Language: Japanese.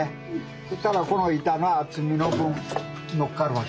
そしたらこの板が厚みの分のっかるわけ。